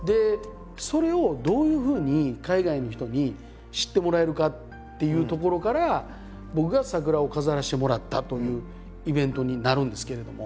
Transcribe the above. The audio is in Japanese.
それをどういうふうに海外の人に知ってもらえるかっていうところから僕が桜を飾らせてもらったというイベントになるんですけれども。